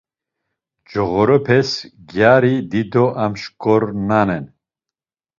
Coğorepes gyari dido amşkornanen.